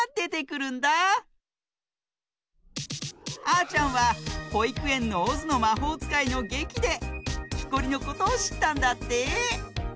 あーちゃんはほいくえんの「オズのまほうつかい」のげきできこりのことをしったんだって。